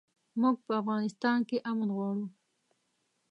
موږ په افغانستان کښې امن غواړو